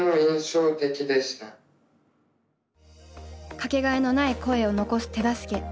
掛けがえのない声を残す手助け。